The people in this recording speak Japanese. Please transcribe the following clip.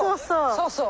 そうそう！